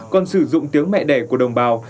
còn sử dụng tiếng mẹ đẻ của đồng bào